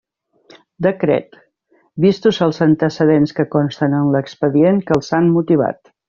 Decret: vistos els antecedents que consten en l'expedient que els han motivat.